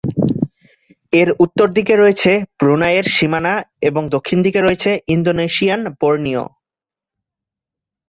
এর উত্তর দিকে রয়েছে ব্রুনাই এর সীমানা এবং দক্ষিণে রয়েছে ইন্দোনেশিয়ান বোর্নিও।